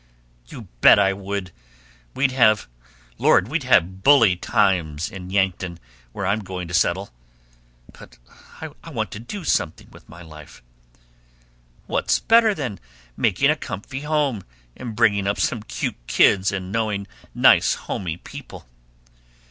"You bet I would! We'd have, Lord, we'd have bully times in Yankton, where I'm going to settle " "But I want to do something with life." "What's better than making a comfy home and bringing up some cute kids and knowing nice homey people?"